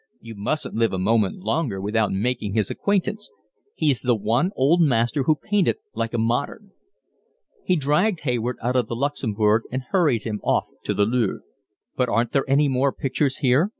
You mustn't live a moment longer without making his acquaintance. He's the one old master who painted like a modern." He dragged Hayward out of the Luxembourg and hurried him off to the Louvre. "But aren't there any more pictures here?"